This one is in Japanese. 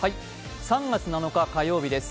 ３月７日火曜日です。